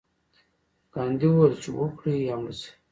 ګاندي وویل چې وکړئ یا مړه شئ.